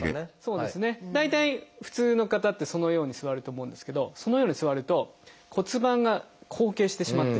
そうですね大体普通の方ってそのように座ると思うんですけどそのように座ると骨盤が後傾してしまってる。